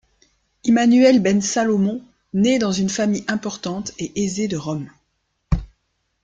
Immanuel ben Salomon naît dans une famille importante et aisée de Rome.